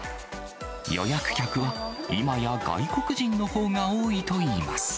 予約客は今や外国人のほうが多いといいます。